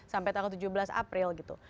sampai tanggal tujuh belas april gitu